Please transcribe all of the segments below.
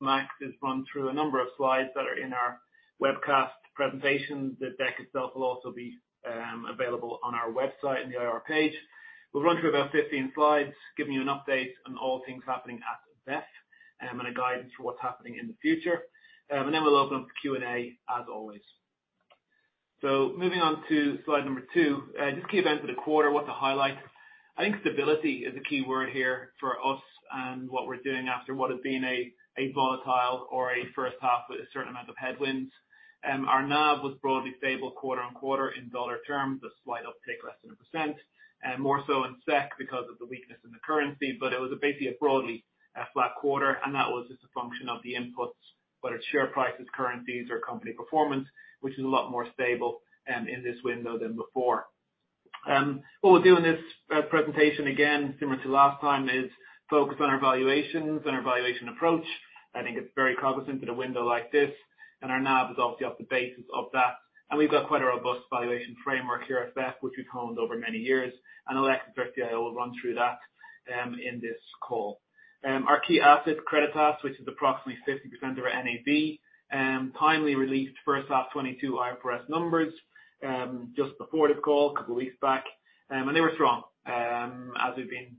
Max has run through a number of slides that are in our webcast presentation. The deck itself will also be available on our website in the IR page. We'll run through about 15 slides, giving you an update on all things happening at VEF, and a guidance for what's happening in the future. We'll open up the Q&A as always. Moving on to slide number two, just key events for the quarter, what to highlight. I think stability is a key word here for us and what we're doing after what has been a volatile or a first half with a certain amount of headwinds. Our NAV was broadly stable quarter on quarter in dollar terms, a slight uptake less than 1% and more so in SEK because of the weakness in the currency. It was basically a broadly flat quarter, and that was just a function of the inputs, whether it's share prices, currencies or company performance, which is a lot more stable in this window than before. What we'll do in this presentation again, similar to last time, is focus on our valuations and our valuation approach. I think it's very cognizant in a window like this, and our NAV is obviously off the basis of that. We've got quite a robust valuation framework here at VEF which we've honed over many years. Alexis Koumoudos will run through that in this call. Our key asset, Creditas, which is approximately 50% of our NAV, timely released first half 2022 IFRS numbers just before this call a couple of weeks back. They were strong, as we've been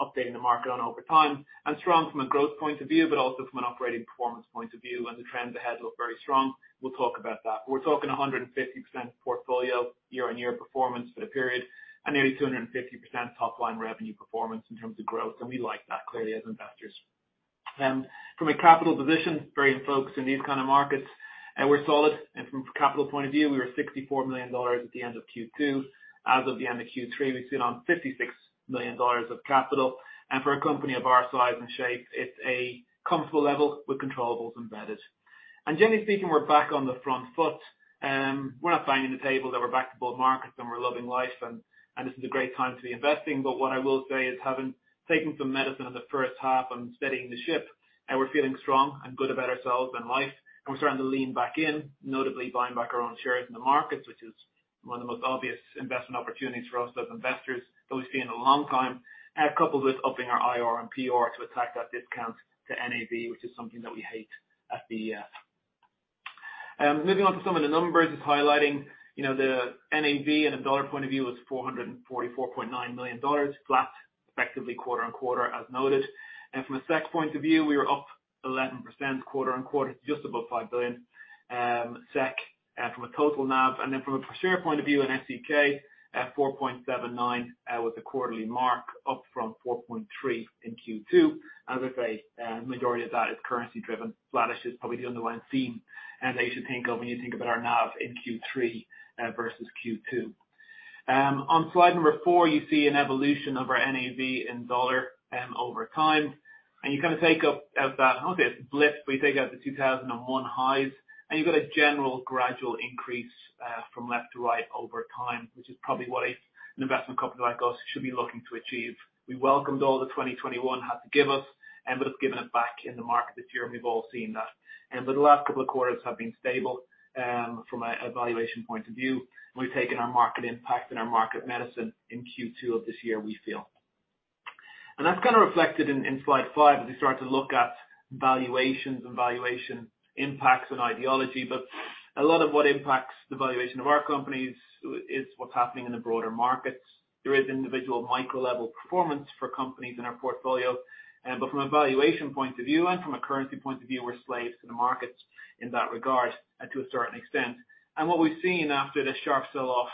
updating the market on over time and strong from a growth point of view, but also from an operating performance point of view. The trends ahead look very strong. We'll talk about that. We're talking 150% portfolio year-on-year performance for the period and nearly 250% top line revenue performance in terms of growth, and we like that clearly as investors. From a capital position, very in focus in these kind of markets, and we're solid. From a capital point of view, we were $64 million at the end of Q2. As of the end of Q3, we sit on $56 million of capital. For a company of our size and shape, it's a comfortable level with controllables embedded. Generally speaking, we're back on the front foot. We're not saying in the table that we're back to bull markets and we're loving life and this is a great time to be investing. What I will say is, having taken some medicine in the first half on steadying the ship, and we're feeling strong and good about ourselves and life, and we're starting to lean back in, notably buying back our own shares in the markets, which is one of the most obvious investment opportunities for us as investors that we've seen in a long time. Coupled with upping our IR and PR to attack that discount to NAV, which is something that we hate at VEF. Moving on to some of the numbers, just highlighting, you know, the NAV in a dollar point of view was $444.9 million flat respectively quarter-over-quarter, as noted. From a SEK point of view, we were up 11% quarter-over-quarter, just above 5 billion SEK from a total NAV. Then from a per share point of view in SEK, at 4.79 SEK was the quarterly mark up from 4.3 in Q2. As I say, majority of that is currency driven. Flattish is probably the underlying theme, and you should think of when you think about our NAV in Q3 versus Q2. On slide number four, you see an evolution of our NAV in dollar over time. You kind of take out that, I won't say a blip, but you take out the 2001 highs and you've got a general gradual increase from left to right over time, which is probably what an investment company like us should be looking to achieve. We welcomed all that 2021 had to give us and we've given it back in the market this year, and we've all seen that. The last couple of quarters have been stable from a valuation point of view. We've taken our market impact and our market medicine in Q2 of this year, we feel. That's kind of reflected in slide five as we start to look at valuations and valuation impacts and methodology. But a lot of what impacts the valuation of our companies is what's happening in the broader markets. There is individual micro level performance for companies in our portfolio. From a valuation point of view and from a currency point of view, we're slaves to the markets in that regard, to a certain extent. What we've seen after this sharp sell off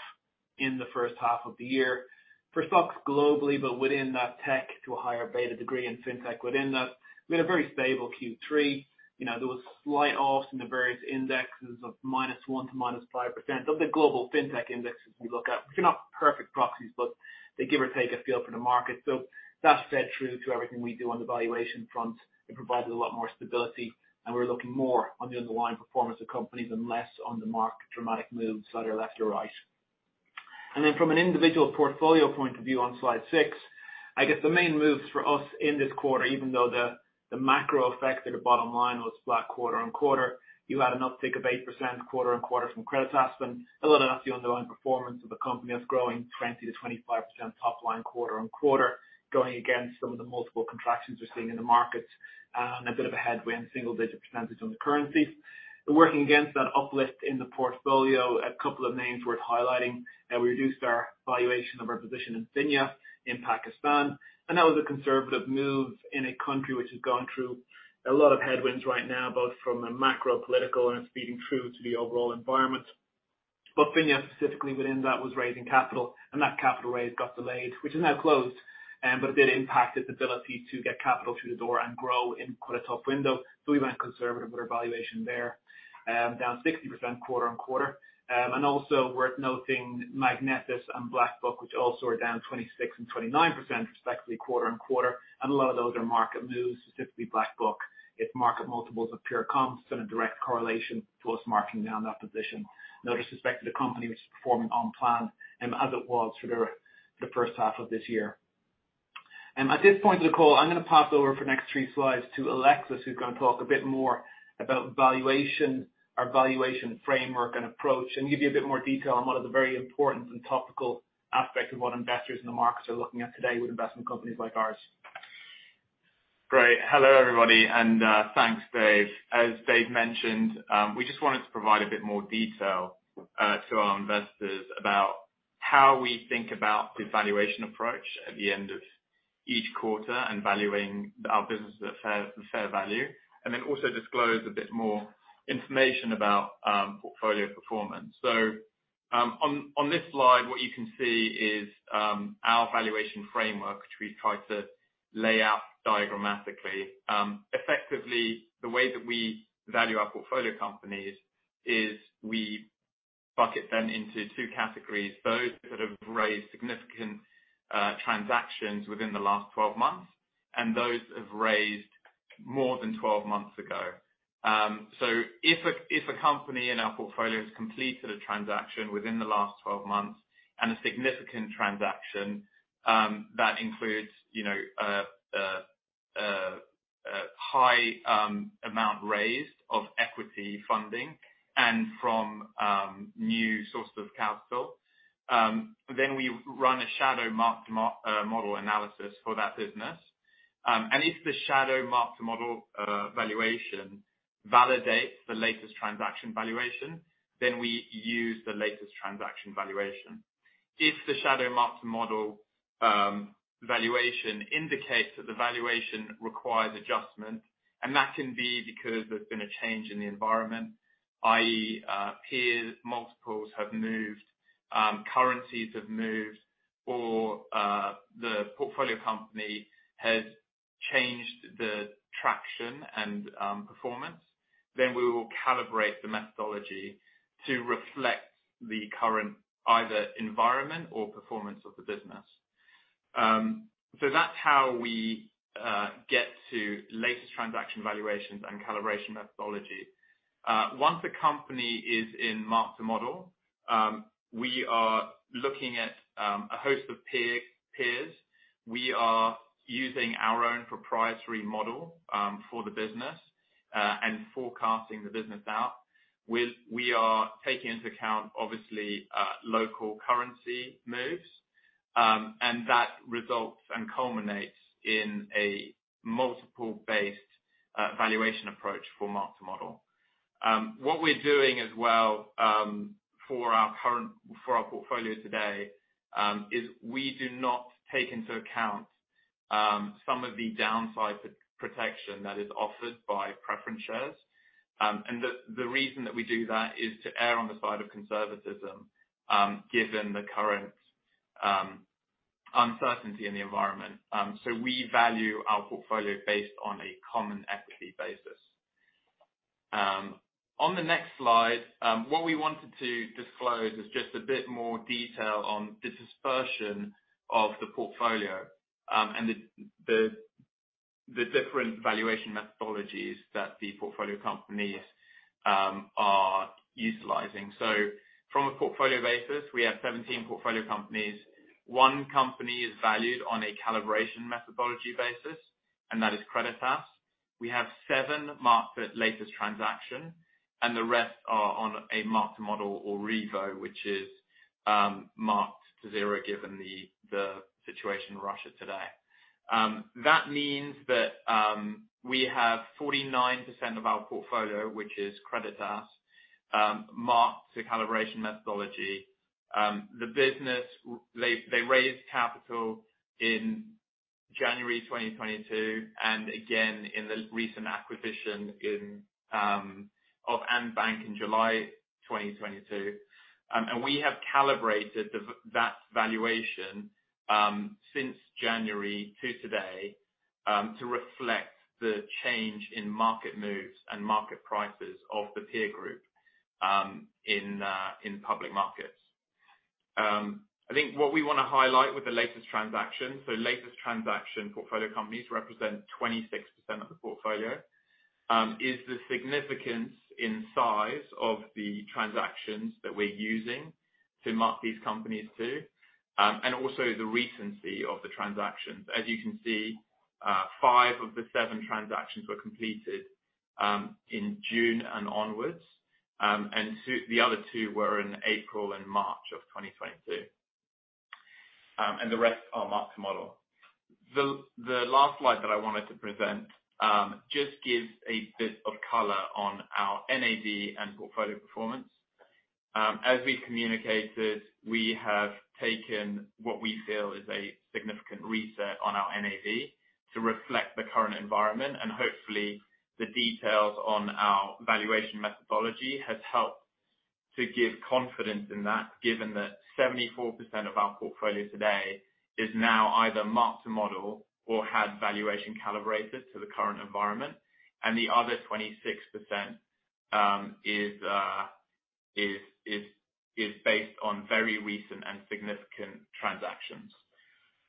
in the first half of the year for stocks globally, but within that tech to a higher beta degree in fintech within that, we had a very stable Q3. You know, there was slight falls in the various indexes of -1% to -5% of the Global FinTech index as we look at. Which are not perfect proxies but they give or take a feel for the market. That's fed through to everything we do on the valuation front. It provides a lot more stability and we're looking more on the underlying performance of companies and less on the market dramatic moves, whether left or right. Then from an individual portfolio point of view on slide six, I guess the main moves for us in this quarter, even though the macro effect at the bottom line was flat quarter on quarter, you had an uptick of 8% quarter on quarter from Creditas. A lot of that's the underlying performance of the company that's growing 20%-25% top line quarter on quarter, going against some of the multiple contractions we're seeing in the markets and a bit of a headwind single digit percentage on the currencies. Working against that uplift in the portfolio, a couple of names worth highlighting. We reduced our valuation of our position in Finja in Pakistan, and that was a conservative move in a country which has gone through a lot of headwinds right now, both from a macro political and it's feeding through to the overall environment. Finja specifically within that was raising capital and that capital raise got delayed, which is now closed. It did impact its ability to get capital through the door and grow in quite a tough window. We went conservative with our valuation there, down 60% quarter-on-quarter. Also worth noting, Magnetis and BlackBuck, which also are down 26% and 29% respectively quarter-on-quarter. A lot of those are market moves, specifically BlackBuck. Its market multiples of pure comps in a direct correlation to us marking down that position. No disrespect to the company which is performing on plan and as it was for the first half of this year. At this point of the call, I'm gonna pass over to Alexis for the next three slides, who's gonna talk a bit more about valuation, our valuation framework and approach, and give you a bit more detail on one of the very important and topical aspects of what investors in the markets are looking at today with investment companies like ours. Great. Hello everybody, and thanks, Dave. As Dave mentioned, we just wanted to provide a bit more detail to our investors about how we think about the valuation approach at the end of each quarter and valuing our business at the fair value, and then also disclose a bit more information about portfolio performance. On this slide, what you can see is our valuation framework, which we try to lay out diagrammatically. Effectively, the way that we value our portfolio companies is we bucket them into two categories, those that have raised significant transactions within the last 12 months, and those have raised more than 12 months ago. If a company in our portfolio has completed a transaction within the last 12 months, and a significant transaction, that includes, you know, high amount raised of equity funding and from new sources of capital, then we run a shadow mark to model analysis for that business. If the shadow mark to model valuation validates the latest transaction valuation, then we use the latest transaction valuation. If the shadow mark to model valuation indicates that the valuation requires adjustment, and that can be because there's been a change in the environment, i.e., peers, multiples have moved, currencies have moved, or the portfolio company has changed the traction and performance, then we will calibrate the methodology to reflect the current either environment or performance of the business. That's how we get to latest transaction valuations and calibration methodology. Once a company is in mark to model, we are looking at a host of peers. We are using our own proprietary model for the business and forecasting the business out. We are taking into account, obviously, local currency moves, and that results and culminates in a multiple-based valuation approach for mark to model. What we're doing as well for our current portfolio today is we do not take into account some of the downside protection that is offered by preference shares. The reason that we do that is to err on the side of conservatism, given the current uncertainty in the environment. We value our portfolio based on a common equity basis. On the next slide, what we wanted to disclose is just a bit more detail on dispersion of the portfolio, and the different valuation methodologies that the portfolio companies are utilizing. From a portfolio basis, we have 17 portfolio companies. One company is valued on a calibration methodology basis, and that is Creditas. We have seven marked at latest transaction, and the rest are on a mark to model or Revo, which is marked to zero given the situation in Russia today. That means that we have 49% of our portfolio, which is Creditas, marked to calibration methodology. They raised capital in January 2022 and again in the recent acquisition of Andbank in July 2022. We have calibrated the valuation since January to today to reflect the change in market moves and market prices of the peer group in public markets. I think what we wanna highlight with the latest transaction, so latest transaction portfolio companies represent 26% of the portfolio is the significance in size of the transactions that we're using to mark these companies to and also the recency of the transactions. As you can see, five of the seven transactions were completed in June and onwards. The other two were in April and March of 2022. The rest are mark to model. The last slide that I wanted to present just gives a bit of color on our NAV and portfolio performance. As we communicated, we have taken what we feel is a significant reset on our NAV to reflect the current environment, and hopefully the details on our valuation methodology has helped to give confidence in that, given that 74% of our portfolio today is now either mark to model or had valuations calibrated to the current environment, and the other 26% is based on very recent and significant transactions.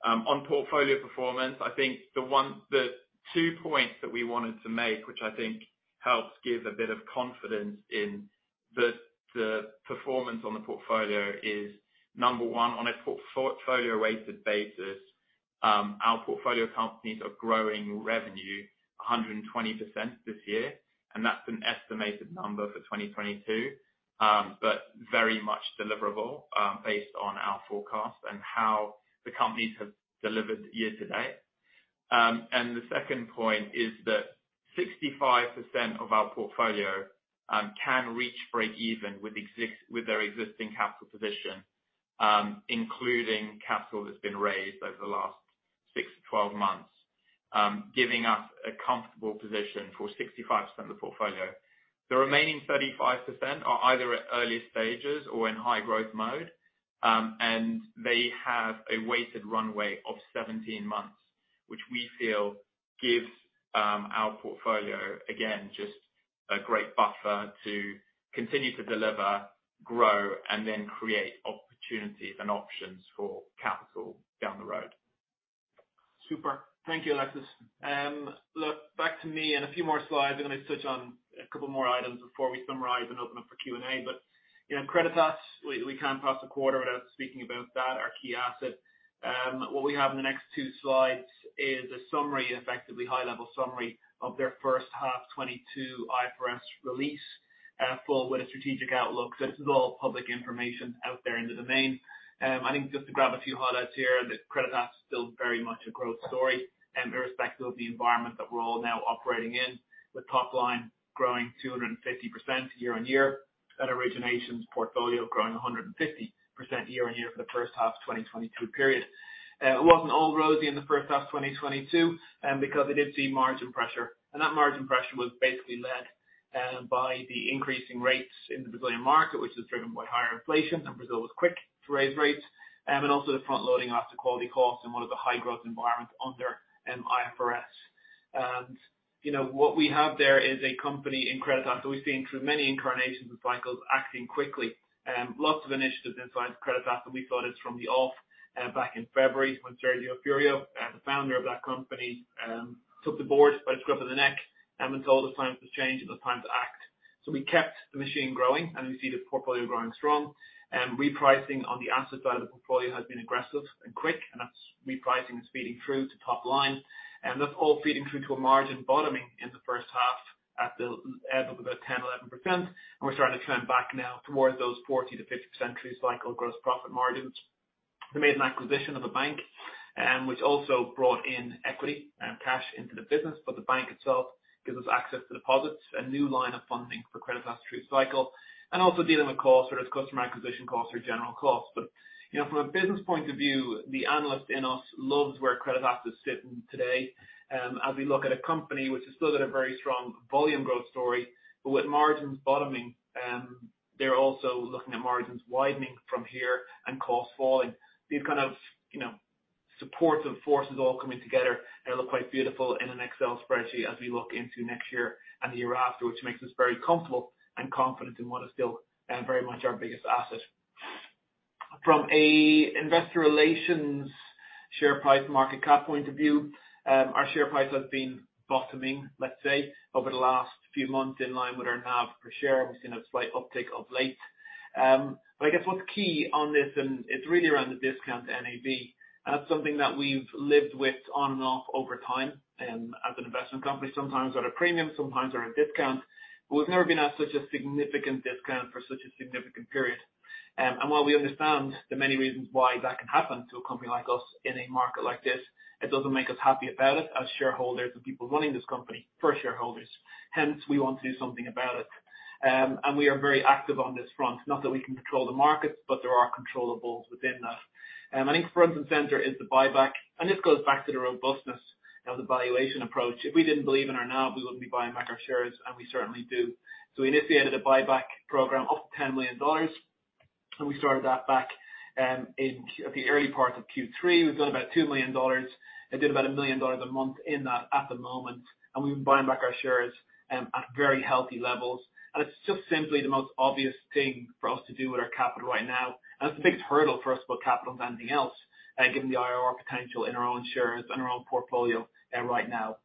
On portfolio performance, I think the two points that we wanted to make, which I think helps give a bit of confidence in the performance on the portfolio is, number one, on a portfolio weighted basis, our portfolio companies are growing revenue a 120% this year, and that's an estimated number for 2022. Very much deliverable, based on our forecast and how the companies have delivered year to date. The second point is that 65% of our portfolio can reach breakeven with their existing capital position, including capital that's been raised over the last six to 12 months, giving us a comfortable position for 65% of the portfolio. The remaining 35% are either at early stages or in high growth mode, and they have a weighted runway of 17 months, which we feel gives our portfolio, again, just a great buffer to continue to deliver, grow, and then create opportunities and options for capital down the road. Super. Thank you, Alexis. Look back to me and a few more slides. I'm gonna touch on a couple more items before we summarize and open up for Q&A. You know, Creditas, we can't pass a quarter without speaking about that, our key asset. What we have in the next two slides is a summary, effectively high level summary of their first half 2022 IFRS release, full with a strategic outlook. This is all public information out there in the public domain. I think just to grab a few highlights here, that Creditas is still very much a growth story and irrespective of the environment that we're all now operating in, with top line growing 250% year-on-year, that originations portfolio growing 150% year-on-year for the first half of 2022 period. It wasn't all rosy in the first half of 2022, because they did see margin pressure. That margin pressure was basically led by the increasing rates in the Brazilian market, which was driven by higher inflation and Brazil was quick to raise rates, and also the front-loading acquisition costs in one of the high-growth environments under IFRS. You know, what we have there is a company, Creditas, that we've seen through many incarnations and cycles acting quickly. Lots of initiatives inside of Creditas that we thought is from the off, back in February when Sergio Furio, the Founder of that company, took the board by the scruff of the neck and told it's time to change, it was time to act. We kept the machine growing, and we see the portfolio growing strong. Repricing on the asset side of the portfolio has been aggressive and quick, and that repricing is feeding through to top line. That's all feeding through to a margin bottoming in the first half at about 10%-11%. We're starting to trend back now towards those 40%-50% true cycle gross profit margins. They made an acquisition of a bank, which also brought in equity and cash into the business. The bank itself gives us access to deposits, a new line of funding for Creditas true cycle, and also dealing with costs such as customer acquisition costs or general costs. You know, from a business point of view, the analyst in us loves where Creditas is sitting today. As we look at a company which is still at a very strong volume growth story, but with margins bottoming, they're also looking at margins widening from here and costs falling. These kind of, you know, supportive forces all coming together, they look quite beautiful in an Excel spreadsheet as we look into next year and the year after, which makes us very comfortable and confident in what is still very much our biggest asset. From an investor relations share price market cap point of view, our share price has been bottoming, let's say, over the last few months in line with our NAV per share. We've seen a slight uptick of late. I guess what's key on this, and it's really around the discount to NAV. That's something that we've lived with on and off over time, as an investment company, sometimes at a premium, sometimes at a discount. We've never been at such a significant discount for such a significant period. While we understand the many reasons why that can happen to a company like us in a market like this, it doesn't make us happy about it as shareholders and people running this company for shareholders. Hence, we want to do something about it. We are very active on this front. Not that we can control the markets, but there are controllables within that. I think front and center is the buyback. This goes back to the robustness of the valuation approach. If we didn't believe in our NAV, we wouldn't be buying back our shares, and we certainly do. We initiated a buyback program up to $10 million, and we started that back in the early part of Q3. We've done about $2 million and did about $1 million a month in that at the moment. We've been buying back our shares at very healthy levels. It's just simply the most obvious thing for us to do with our capital right now. It's the biggest hurdle for us with capital than anything else, given the IRR potential in our own shares and our own portfolio right now.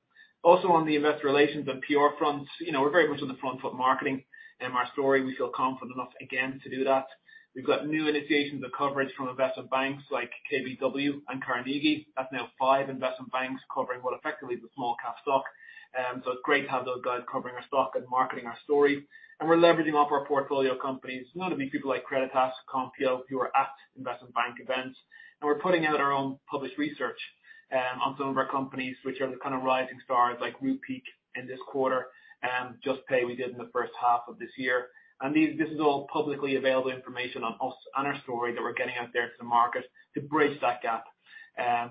Also on the investor relations and PR front, you know, we're very much on the front foot marketing our story. We feel confident enough again to do that. We've got new initiations of coverage from investment banks like KBW and Carnegie. That's now five investment banks covering what effectively is a small-cap stock. It's great to have those guys covering our stock and marketing our story. We're leveraging off our portfolio companies, not only people like Creditas, Konfío, who are at investment bank events. We're putting out our own published research on some of our companies, which are the kind of rising stars like Rupeek in this quarter, Juspay we did in the first half of this year. This is all publicly available information on us and our story that we're getting out there to the market to bridge that gap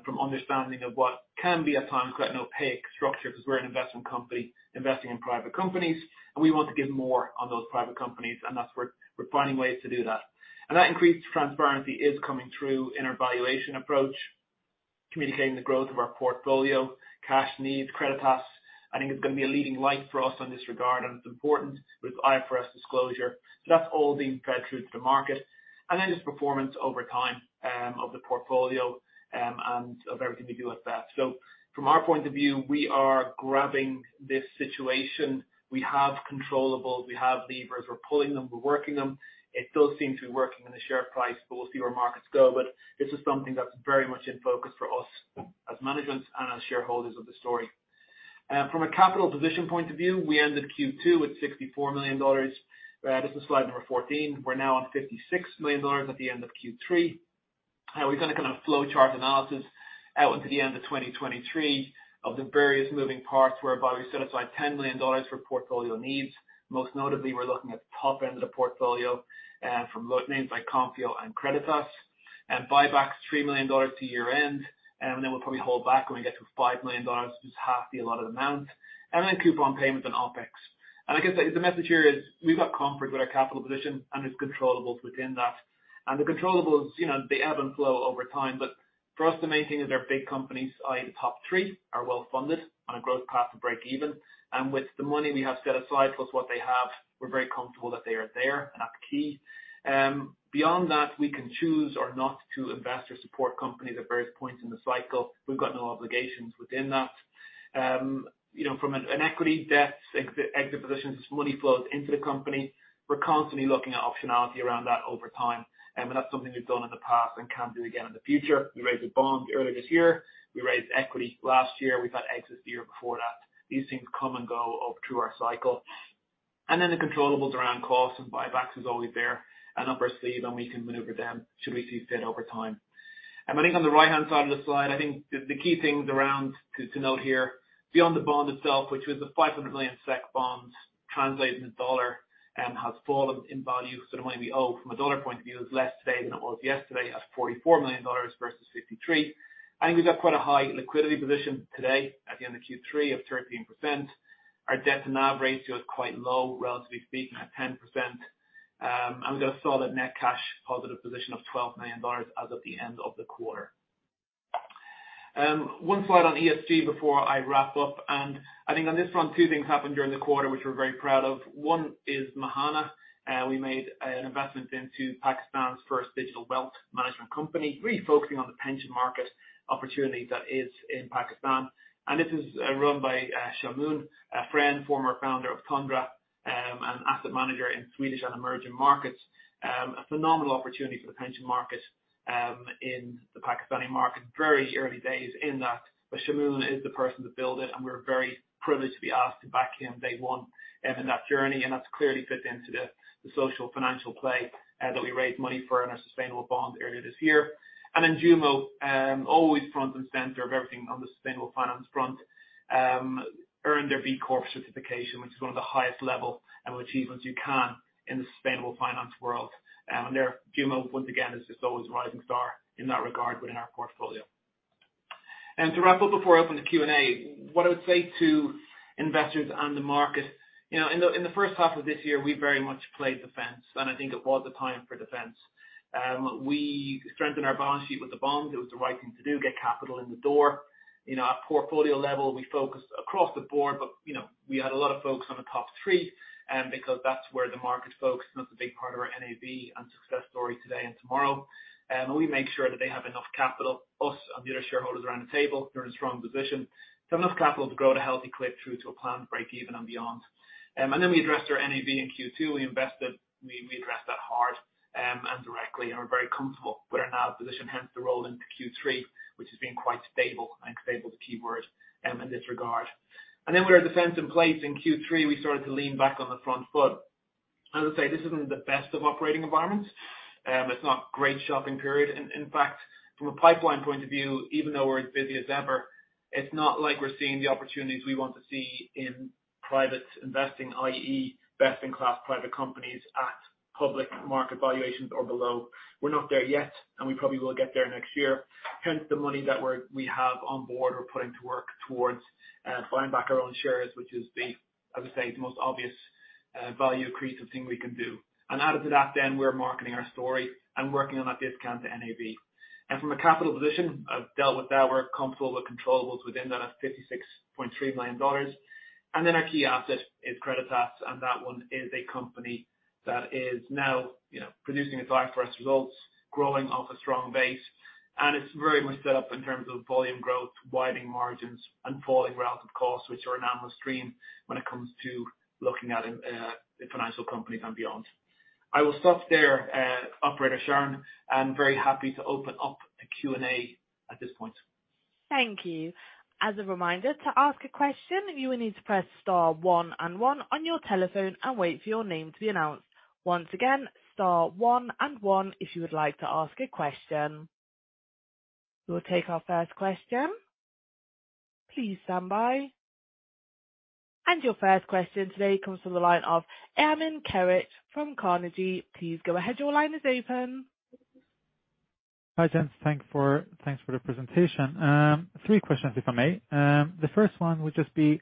from understanding of what can be at times quite an opaque structure because we're an investment company investing in private companies, and we want to give more on those private companies, and that's where we're finding ways to do that. That increased transparency is coming through in our valuation approach, communicating the growth of our portfolio, cash needs, Creditas. I think it's gonna be a leading light for us in this regard, and it's important with IFRS disclosure. That's all being fed through to the market. Just performance over time, of the portfolio, and of everything we do at that. From our point of view, we are grappling with this situation. We have controllables, we have levers, we're pulling them, we're working them. It does seem to be working in the share price, but we'll see where markets go. This is something that's very much in focus for us as management and as shareholders of the story. From a capital position point of view, we ended Q2 with $64 million. This is slide number 14. We're now on $56 million at the end of Q3. We've done a kind of flow chart analysis out into the end of 2023 of the various moving parts whereby we set aside $10 million for portfolio needs. Most notably, we're looking at the top end of the portfolio from names like Konfío and Creditas, and buybacks $3 million to year end. We'll probably hold back $5 million, which is half the allotted amount, and then coupon payments and OpEx. I guess the message here is we've got comfort with our capital position and its controllables within that. The controllables, you know, they ebb and flow over time. For us, the main thing is our big companies, i.e. the top three, are well funded on a growth path to break even. With the money we have set aside plus what they have, we're very comfortable that they are there, and that's key. Beyond that, we can choose or not to invest or support companies at various points in the cycle. We've got no obligations within that. You know, from an equity, debt, and exit positions, as money flows into the company, we're constantly looking at optionality around that over time. That's something we've done in the past and can do again in the future. We raised a bond earlier this year. We raised equity last year. We've had exits the year before that. These things come and go all through our cycle. The controllables around costs and buybacks is always there and up our sleeve, and we can maneuver them should we see fit over time. I think on the right-hand side of the slide, I think the key things to note here, beyond the bond itself, which was a 500 million SEK bond translated into dollars and has fallen in value. The money we owe from a dollar point of view is less today than it was yesterday at $44 million versus $53 million. I think we've got quite a high liquidity position today at the end of Q3 of 13%. Our debt to NAV ratio is quite low, relatively speaking, at 10%. We've got a solid net cash positive position of $12 million as of the end of the quarter. One slide on ESG before I wrap up, and I think on this front, two things happened during the quarter, which we're very proud of. One is Mahaana. We made an investment into Pakistan's first digital wealth management company, really focusing on the pension market opportunity that is in Pakistan. This is run by Shamoon, a friend, former Founder of Tundra, an asset manager in Swedish and emerging markets. A phenomenal opportunity for the pension market in the Pakistani market. Very early days in that. Shamoon is the person to build it, and we're very privileged to be asked to back him day one in that journey. That's clearly fit into the social financial play that we raised money for in our sustainable bond earlier this year. JUMO always front and center of everything on the sustainable finance front earned their B Corp certification, which is one of the highest level achievements you can in the sustainable finance world. Their JUMO, once again, is just always a rising star in that regard within our portfolio. To wrap up before I open to Q&A, what I would say to investors and the market, you know, in the first half of this year, we very much played defense, and I think it was a time for defense. We strengthened our balance sheet with the bonds. It was the right thing to do, get capital in the door. In our portfolio level, we focused across the board, but you know, we had a lot of focus on the top three, because that's where the market's focused and that's a big part of our NAV and success story today and tomorrow. We make sure that they have enough capital, us and the other shareholders around the table. They're in a strong position to have enough capital to grow at a healthy clip through to a planned break even and beyond. We addressed our NAV in Q2. We addressed that hard and directly, and we're very comfortable with our NAV position, hence the roll into Q3, which has been quite stable. Stable is the keyword in this regard. With our defense in place in Q3, we started to lean back on the front foot. As I say, this isn't the best of operating environments. It's not great choppy period. In fact, from a pipeline point of view, even though we're as busy as ever, it's not like we're seeing the opportunities we want to see in private investing, i.e., best in class private companies at public market valuations or below. We're not there yet, and we probably will get there next year. Hence, the money that we have on board, we're putting to work towards buying back our own shares, which is, as I say, the most obvious value accretive thing we can do. Added to that then, we're marketing our story and working on that discount to NAV. From a capital position, I've dealt with that. We're comfortable with controllables within that at $56.3 million. Then our key asset is Creditas, and that one is a company that is now, you know, producing its IFRS results, growing off a strong base. It's very much set up in terms of volume growth, widening margins and falling relative costs, which are a normal stream when it comes to looking at the financial companies and beyond. I will stop there, Operator Sharon, and very happy to open up the Q&A at this point. Thank you. As a reminder, to ask a question, you will need to press star one and one on your telephone and wait for your name to be announced. Once again, star one and one, if you would like to ask a question. We'll take our first question. Please stand by. Your first question today comes from the line of Adnan Karic from Carnegie. Please go ahead. Your line is open. Hi, gents. Thanks for the presentation. Three questions, if I may. The first one would just be,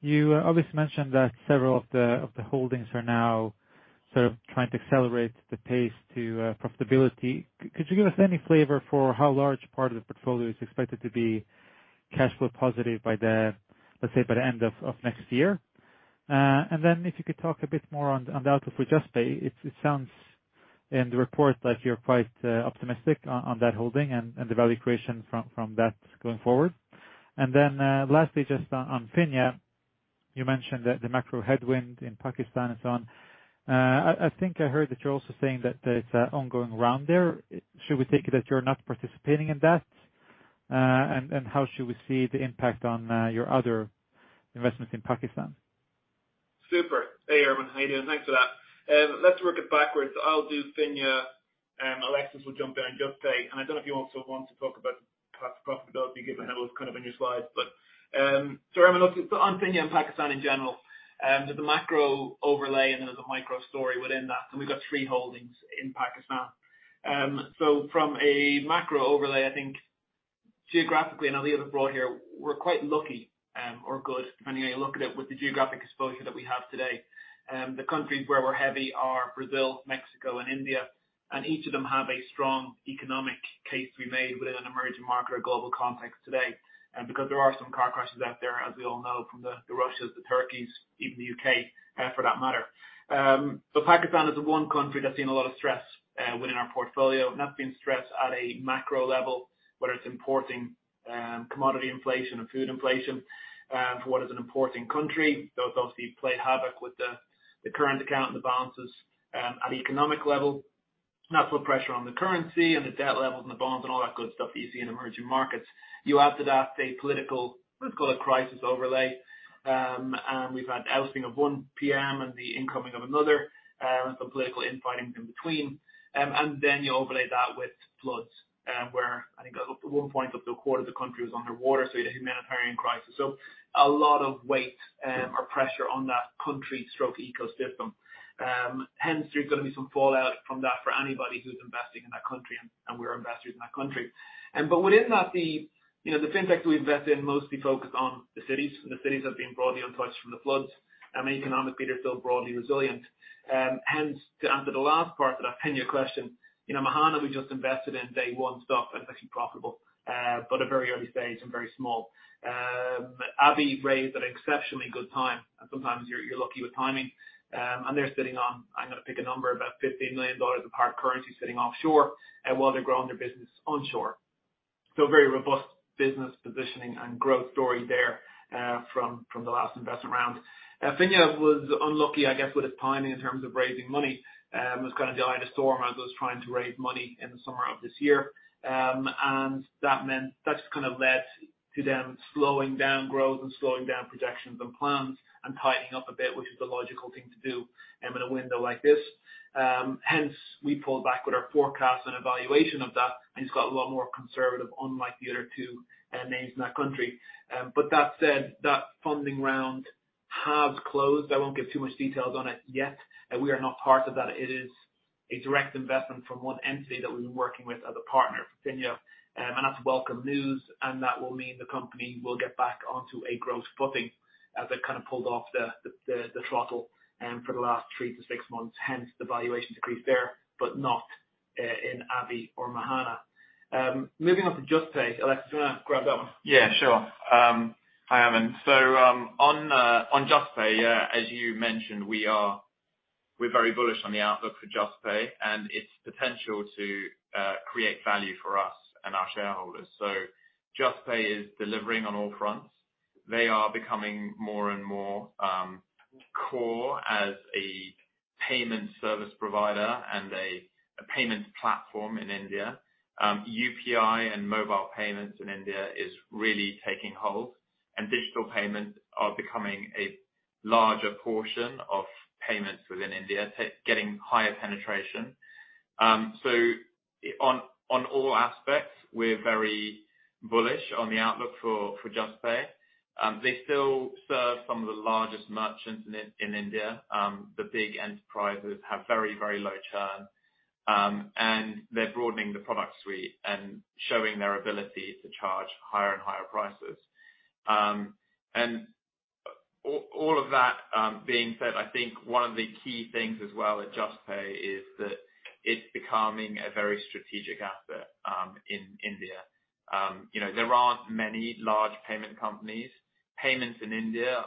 you obviously mentioned that several of the holdings are now sort of trying to accelerate the pace to profitability. Could you give us any flavor for how large part of the portfolio is expected to be cash flow positive by the, let's say, by the end of next year? And then if you could talk a bit more on the outlook for Juspay. It sounds in the report like you're quite optimistic on that holding and the value creation from that going forward. Lastly, just on Finja. You mentioned that the macro headwind in Pakistan and so on. I think I heard that you're also saying that there's an ongoing round there. Should we take it that you're not participating in that? How should we see the impact on your other investments in Pakistan? Super. Hey Adnan, how you doing? Thanks for that. Let's work it backwards. I'll do Finja, and Alexis will jump in on Juspay. I don't know if you also want to talk about past profitability, given how it was kind of in your slides. Look, so on Finja and Pakistan in general, there's a macro overlay and then there's a micro story within that. We've got three holdings in Pakistan. From a macro overlay, I think geographically, and I'll leave it broad here, we're quite lucky, or good, depending on how you look at it, with the geographic exposure that we have today. The countries where we're heavy are Brazil, Mexico and India, and each of them have a strong economic case to be made within an emerging market or global context today, because there are some crashes out there, as we all know, from the Russias, the Turkeys, even the U.K., for that matter. Pakistan is the one country that's seen a lot of stress within our portfolio, and that's been stress at a macro level, whether it's importing commodity inflation or food inflation for what is an importing country. Those obviously play havoc with the current account and the balances at economic level. That's put pressure on the currency and the debt levels and the bonds and all that good stuff that you see in emerging markets. You add to that a political, let's call it crisis overlay, and we've had the ousting of one PM and the incoming of another, and some political infighting in between. You overlay that with floods, where I think at one point up to a quarter of the country was underwater, so you had a humanitarian crisis. A lot of weight, or pressure on that country stroke ecosystem. Hence there's gonna be some fallout from that for anybody who's investing in that country, and we're investors in that country. Within that the, you know, the FinTechs we invest in mostly focus on the cities, and the cities have been broadly untouched from the floods. I mean, economically they're still broadly resilient. Hence to answer the last part of that Finja question, you know, Mahaana we just invested in, day one stuff and it's actually profitable, but a very early stage and very small. Abhi raised at an exceptionally good time, and sometimes you're lucky with timing. They're sitting on, I'm gonna pick a number, about $15 million of hard currency sitting offshore, while they're growing their business onshore. Very robust business positioning and growth story there, from the last investment round. Finja was unlucky, I guess, with its timing in terms of raising money, was kind of the eye of the storm as it was trying to raise money in the summer of this year. That meant. That just kind of led to them slowing down growth and slowing down projections and plans and tightening up a bit, which is the logical thing to do, in a window like this. Hence we pulled back with our forecast and valuation of that, and it's got a lot more conservative unlike the other two names in that country. That said, that funding round has closed. I won't give too much details on it yet. We are not part of that. It is a direct investment from one entity that we've been working with as a partner for Finja. That's welcome news, and that will mean the company will get back onto a growth footing as they've kind of pulled off the throttle for the last three to six months. Hence the valuation decrease there, but not in Abhi or Mahaana. Moving on to Juspay, Alexis, do you wanna grab that one? Yeah, sure. Hi, Adnan. On Juspay, as you mentioned, we're very bullish on the outlook for Juspay and its potential to create value for us and our shareholders. Juspay is delivering on all fronts. They are becoming more and more core as a payment service provider and a payments platform in India. UPI and mobile payments in India is really taking hold, and digital payments are becoming a larger portion of payments within India, getting higher penetration. On all aspects, we're very bullish on the outlook for Juspay. They still serve some of the largest merchants in India. The big enterprises have very low churn. They're broadening the product suite and showing their ability to charge higher and higher prices. All of that being said, I think one of the key things as well at Juspay is that it's becoming a very strategic asset in India. You know, there aren't many large payment companies. Payments in India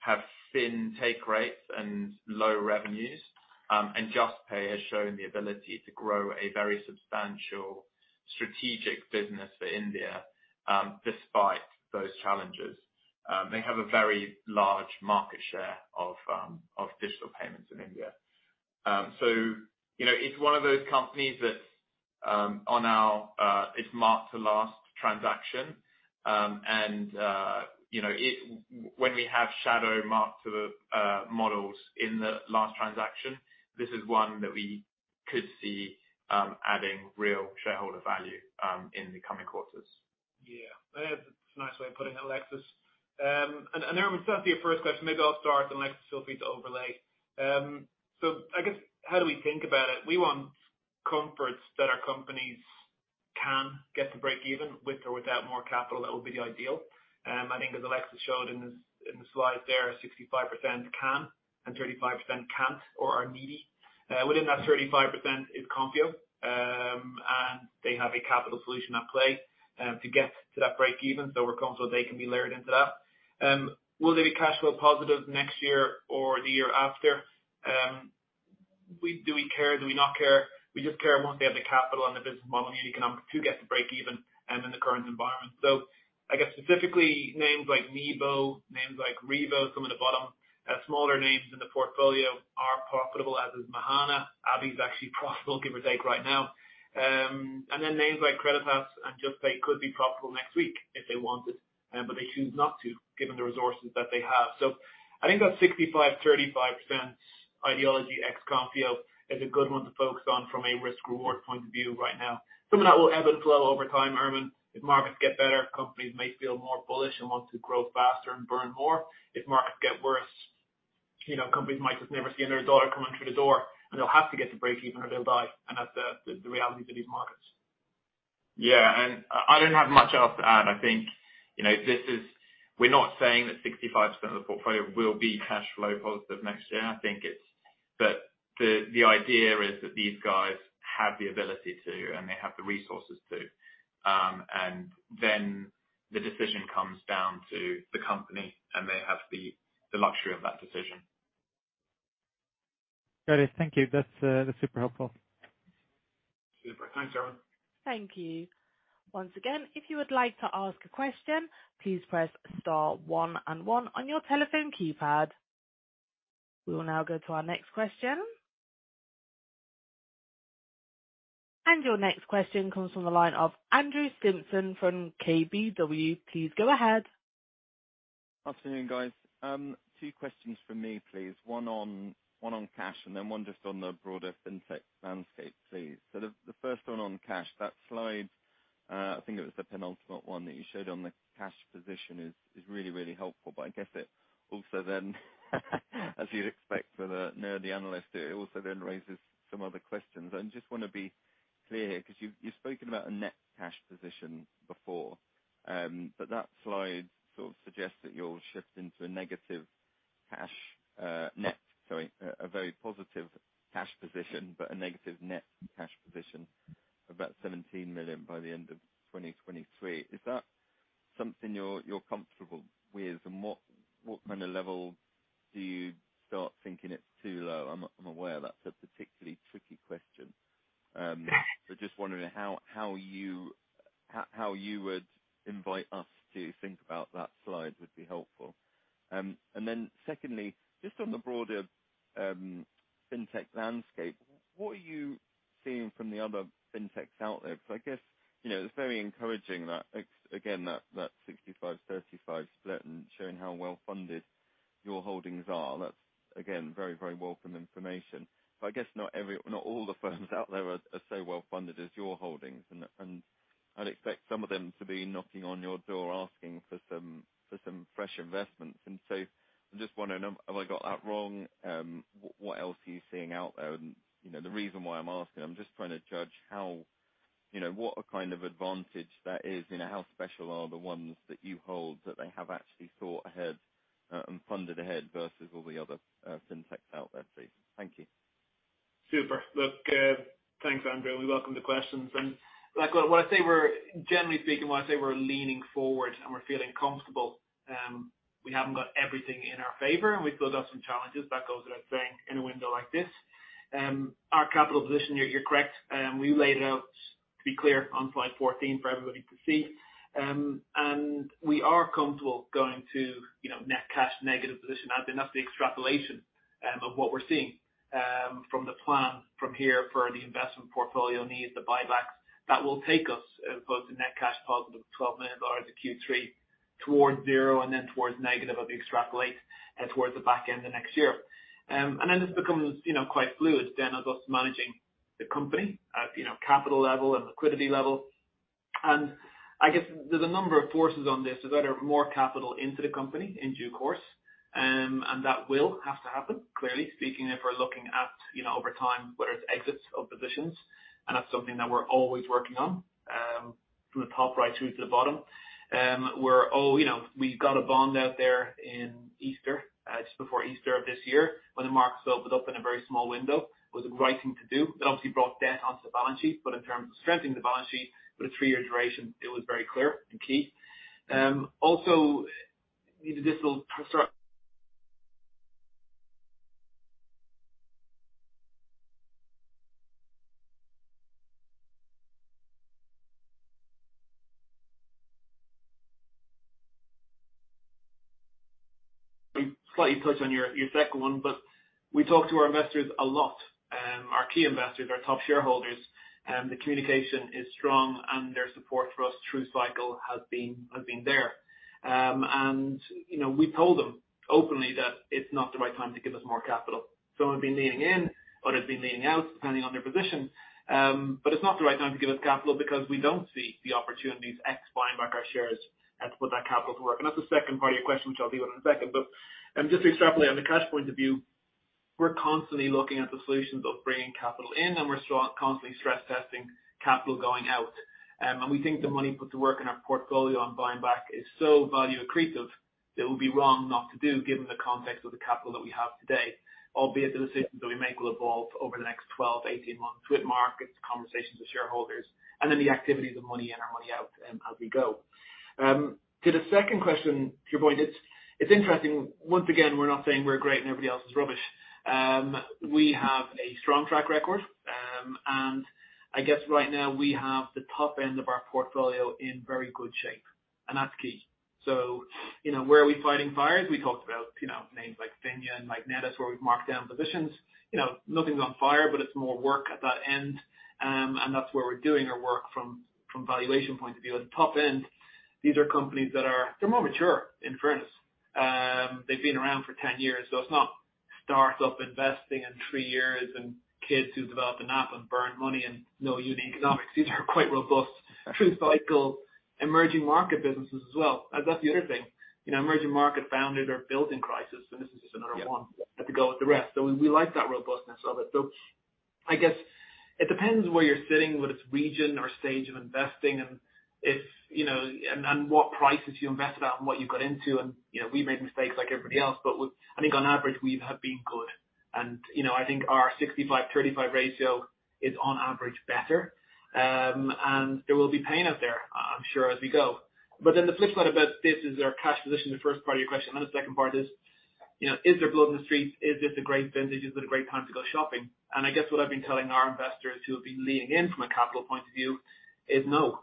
have thin take rates and low revenues. Juspay has shown the ability to grow a very substantial strategic business for India despite those challenges. They have a very large market share of digital payments in India. You know, it's one of those companies that on our it's marked to last transaction. You know, when we have also mark to model in the last transaction, this is one that we could see adding real shareholder value in the coming quarters. Yeah. That's a nice way of putting it, Alexis. to answer your first question, maybe I'll start and Alexis feel free to overlay. I guess how do we think about it? We want comforts that our companies can get to breakeven with or without more capital. That would be the ideal. I think as Alexis showed in the slide there, 65% can and 35% can't or are needy. Within that 35% is Konfío and they have a capital solution at play, to get to that breakeven. We're comfortable they can be layered into that. Will they be cash flow positive next year or the year after? Do we care? Do we not care? We just care once they have the capital and the business model and the economics to get to breakeven in the current environment. I guess specifically names like Nibo, names like Revo, some of the bottom, smaller names in the portfolio are profitable, as is Mahaana. Abhi's actually profitable, give or take, right now. Names like Creditas and Juspay could be profitable next week if they wanted, but they choose not to, given the resources that they have. I think that 65%-35% allocation ex-Konfío is a good one to focus on from a risk/reward point of view right now. Some of that will ebb and flow over time, Ermin. If markets get better, companies may feel more bullish and want to grow faster and burn more. If markets get worse, you know, companies might just never see another dollar coming through the door, and they'll have to get to breakeven or they'll die. That's the reality for these markets. Yeah. I don't have much else to add. I think, you know, this is. We're not saying that 65% of the portfolio will be cash flow positive next year. I think it's that the idea is that these guys have the ability to, and they have the resources to. Then the decision comes down to the company, and they have the luxury of that decision. Got it. Thank you. That's super helpful. Super. Thanks, Adnan. Thank you. Once again, if you would like to ask a question, please press star one and one on your telephone keypad. We will now go to our next question. Your next question comes from the line of Andrew Simpson from KBW. Please go ahead. Afternoon, guys. Two questions from me, please. One on cash, and then one just on the broader Fintech landscape, please. The first one on cash. That slide, I think it was the penultimate one that you showed on the cash position is really, really helpful. I guess it also then as you'd expect for the nerdy analyst, it also then raises some other questions. I just wanna be clear here, because you've spoken about a net cash position before. That slide sort of suggests that you'll shift into a very positive cash position, but a negative net cash position of about 17 million by the end of 2023. Is that something you're comfortable with? And what kind of level do you start thinking it's too low? I'm aware that's a particularly tricky question. Just wondering how you would invite us to think about that slide would be helpful. Then secondly, just on the broader fintech landscape, what are you seeing from the other FinTechs out there? Because I guess, you know, it's very encouraging that again that 65-35 split and showing how well-funded your holdings are. That's, again, very welcome information. I guess not every not all the firms out there are so well funded as your holdings. I'd expect some of them to be knocking on your door asking for some fresh investments. I'm just wondering, have I got that wrong? What else are you seeing out there? You know, the reason why I'm asking, I'm just trying to judge how, you know, what a kind of advantage that is. You know, how special are the ones that you hold that they have actually thought ahead, and funded ahead versus all the other, FinTechs out there, please. Thank you. Super. Look, thanks, Andrew, and we welcome the questions. Generally speaking, when I say we're leaning forward and we're feeling comfortable, we haven't got everything in our favor, and we've still got some challenges. That goes without saying in a window like this. Our capital position, you're correct. We laid it out to be clear on slide 14 for everybody to see. We are comfortable going to, you know, net cash negative position. I think that's the extrapolation of what we're seeing from the plan from here for the investment portfolio needs, the buybacks, that will take us both to net cash positive 12 months or into Q3 towards zero and then towards negative as we extrapolate towards the back end of next year. This becomes, you know, quite fluid then as opposed to managing the company at, you know, capital level and liquidity level. I guess there's a number of forces on this that are more capital into the company in due course, and that will have to happen, clearly. Speaking of if we're looking at, you know, over time, whether it's exits of positions, and that's something that we're always working on, from the top right through to the bottom. You know, we got a bond out there in Easter, just before Easter of this year when the markets opened up in a very small window. It was the right thing to do. It obviously brought debt onto the balance sheet, but in terms of strengthening the balance sheet with a three-year duration, it was very clear and key. Slightly touched on your second one, but we talk to our investors a lot. Our key investors, our top shareholders. The communication is strong, and their support for us through the cycle has been there. You know, we told them openly that it's not the right time to give us more capital. Some have been leaning in, others been leaning out, depending on their position. It's not the right time to give us capital because we don't see the opportunities except buyback our shares as to put that capital to work. That's the second part of your question, which I'll deal with in a second. Just to extrapolate on the cash point of view, we're constantly looking at the solutions of bringing capital in, and we're constantly stress testing capital going out. We think the money put to work in our portfolio on buyback is so value accretive that it would be wrong not to do given the context of the capital that we have today. Albeit the decisions that we make will evolve over the next 12, 18 months with markets, conversations with shareholders, and then the activity of the money in, our money out, as we go. To the second question, to your point, it's interesting. Once again, we're not saying we're great and everybody else is rubbish. We have a strong track record. I guess right now we have the top end of our portfolio in very good shape, and that's key. You know, where are we fighting fires? We talked about, you know, names like Finja and Magnetis, where we've marked down positions. You know, nothing's on fire, but it's more work at that end. That's where we're doing our work from valuation point of view. At the top end, these are companies that are more mature, in fairness. They've been around for 10 years, so it's not start-up investing in three years and kids who develop an app and burn money and no unit economics. These are quite robust through-cycle emerging market businesses as well. That's the other thing, you know, emerging market founded or built in crisis, and this is just another one. Yeah. to go with the rest. We like that robustness of it. I guess it depends where you're sitting, whether it's region or stage of investing, and if you know and what prices you invested at and what you got into. You know, we made mistakes like everybody else, but I think on average we have been good. You know, I think our 65/35 ratio is on average better. There will be pain out there, I'm sure, as we go. The flip side about this is our cash position, the first part of your question. The second part is, you know, is there blood in the streets? Is this a great vintage? Is it a great time to go shopping? I guess what I've been telling our investors who have been leaning in from a capital point of view is no.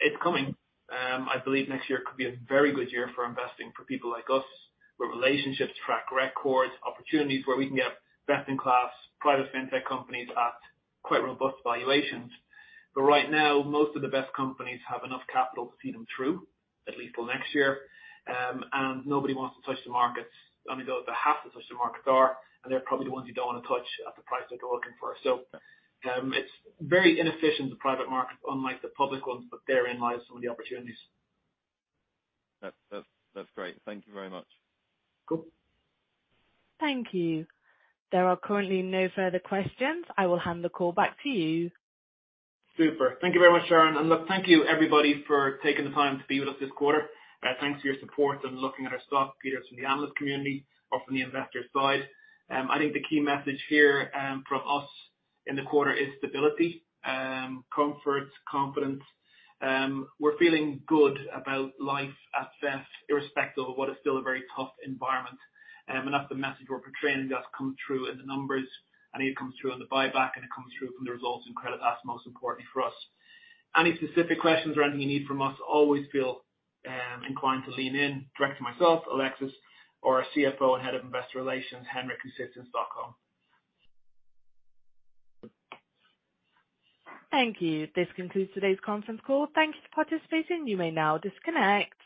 It's coming. I believe next year could be a very good year for investing for people like us, where relationships, track records, opportunities where we can get best in class private fintech companies at quite robust valuations. Right now, most of the best companies have enough capital to see them through at least till next year. Nobody wants to touch the markets. I mean, those that have to touch the markets are, and they're probably the ones you don't wanna touch at the price they're looking for. It's very inefficient, the private markets, unlike the public ones, but therein lies some of the opportunities. That's great. Thank you very much. Cool. Thank you. There are currently no further questions. I will hand the call back to you. Super. Thank you very much, Sharon. Look, thank you everybody for taking the time to be with us this quarter. Thanks for your support and looking at our stock, be it from the analyst community or from the investor side. I think the key message here from us in the quarter is stability, comfort, confidence. We're feeling good about life at VEF, irrespective of what is still a very tough environment. That's the message we're portraying that's come through in the numbers, and it comes through on the buyback, and it comes through from the results in credit. That's most importantly for us. Any specific questions or anything you need from us, always feel inclined to lean in direct to myself, Alexis, or our CFO and Head of Investor Relations, Henrik who sits in Stockholm. Thank you. This concludes today's conference call. Thank you for participating. You may now disconnect.